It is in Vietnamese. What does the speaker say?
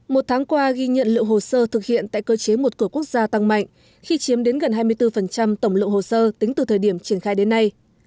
một tháng qua ghi nhận lượng hồ sơ thực hiện tại cơ chế một cửa quốc gia tăng mạnh khi chiếm đến gần hai mươi bốn tổng lượng hồ sơ tính từ thời điểm triển khai đến nay